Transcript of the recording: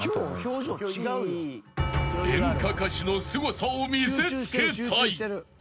［演歌歌手のすごさを見せつけたい］